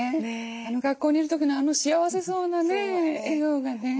あの学校にいる時のあの幸せそうなね笑顔がね。